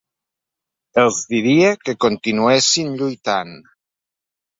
Els diria que continuessin lluitant.